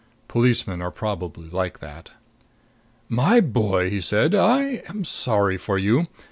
Policemen are probably like that. "My boy," he said, "I am sorry for you.